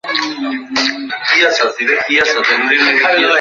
নক্ষত্ররায়ের নালিশ অতি সহজেই তাঁহার হৃদয়ঙ্গম হইল।